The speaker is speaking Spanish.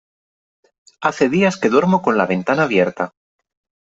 Hace días que duermo con la ventana abierta.